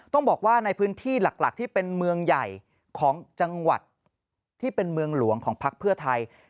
ต้องบอกว่าในพื้นที่หลักที่เป็นเมืองใหญ่ของจังหวัดที่เป็นเมืองหลวงของพักเพื่อไทย